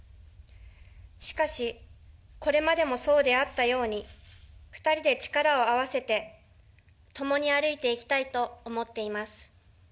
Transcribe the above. しかし、これまでもそうであったように、２人で力を合わせて共に歩いていきたいと思っています。